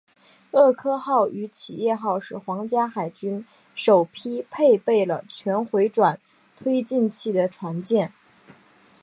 厄科号与企业号是皇家海军首批配备了全回转推进器的船舰。